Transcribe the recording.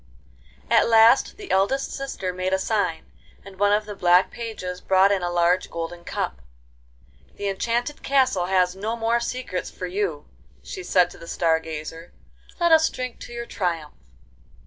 XV At last the eldest sister made a sign, and one of the black pages brought in a large golden cup. 'The enchanted castle has no more secrets for you,' she said to the Star Gazer. 'Let us drink to your triumph.